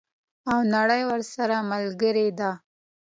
او نړۍ ورسره ملګرې ده.